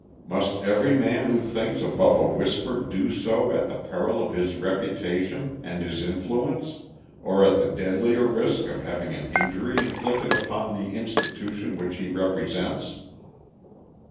Must every man who thinks above a whisper do so at the peril of his reputation and his influence, or at the deadlier risk of having an injury inflicted upon the institution which he represents?"